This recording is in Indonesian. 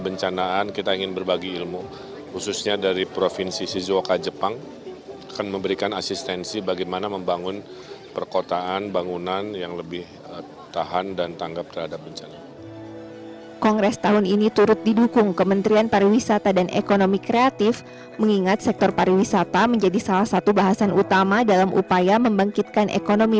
pertemuan yang berlangsung di bandung pada dua puluh tiga hingga dua puluh lima november dua ribu dua puluh dua ini bertujuan membangun dan meningkatkan persahabatan dan kerjasama antar pemerintah daerah di negara asia timur dan asia tenggara dalam rangka pemulihan ekonomi